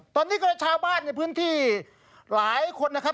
ตอนนี้ก็เลยชาวบ้านในพื้นที่หลายคนนะครับ